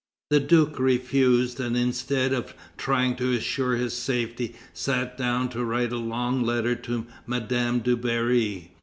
The Duke refused, and instead of trying to assure his safety, sat down to write a long letter to Madame du Barry.